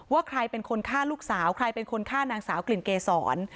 ว่าใครเป็นคนฆ่าลูกสาวใครเป็นคนฆ่านางสาวกลิ่นเกษร